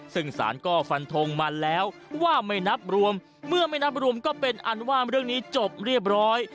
ซึ่งสารก็ฟันทงมาแล้วว่าไม่นับรวมเมื่อไม่นับรวมก็เป็นอันว่าเรื่องนี้จบเรียบร้อย